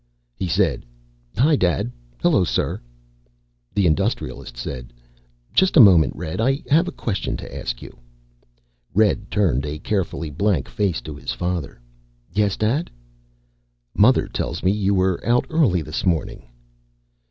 He said, "Hi, Dad. Hello, sir." The Industrialist said, "Just a moment, Red. I have a question to ask you?" Red turned a carefully blank face to his father. "Yes, Dad?" "Mother tells me you were out early this morning."